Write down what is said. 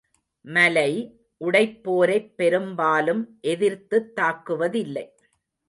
மலை, உடைப்போரைப் பெரும்பாலும் எதிர்த்துத் தாக்குவதில்லை.